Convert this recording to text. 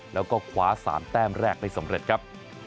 แล้วก็คว้า๓แต้มแรกได้สำเร็จครับ